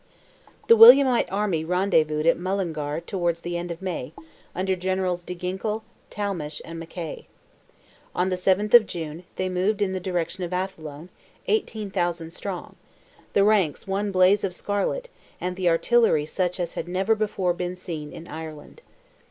The Williamite army rendezvoused at Mullingar towards the end of May, under Generals De Ginkle, Talmash and Mackay. On the 7th of June, they moved in the direction of Athlone, 18,000 strong, "the ranks one blaze of scarlet, and the artillery such as had never before been seen in Ireland."